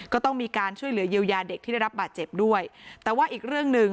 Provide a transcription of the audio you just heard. ก็ต้องมีการช่วยเหลือเยียวยาเด็กที่ได้รับบาดเจ็บด้วยแต่ว่าอีกเรื่องหนึ่ง